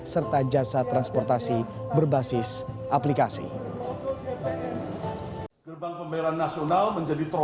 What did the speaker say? serta jasa transfer